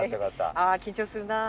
「ああ緊張するなあ。